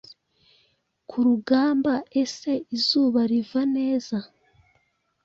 kurugamba Ese izuba riva neza.